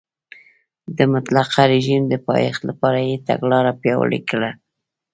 د مطلقه رژیم د پایښت لپاره یې تګلاره پیاوړې کړه.